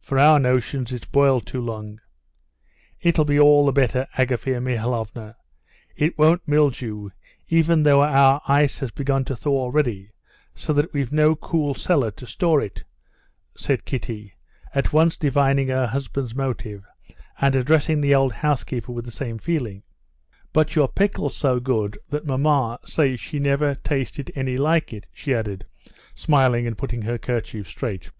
For our notions it's boiled too long." "It'll be all the better, Agafea Mihalovna, it won't mildew, even though our ice has begun to thaw already, so that we've no cool cellar to store it," said Kitty, at once divining her husband's motive, and addressing the old housekeeper with the same feeling; "but your pickle's so good, that mamma says she never tasted any like it," she added, smiling, and putting her kerchief straight.